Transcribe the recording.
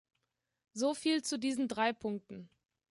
So viel zu diesen drei Punkten.